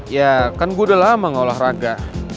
ya kan gue udah lama olahraga